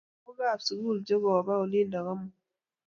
Mamie lagok ab sugul che koba olindok amut